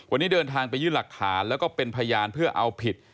วันนี้เดินทางไปยื่นหลักฐานแล้วก็เป็นพยานเพื่อเอาผิด